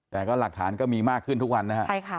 แต่ก็หลักฐานก็มีมากขึ้นทุกวันนะครับ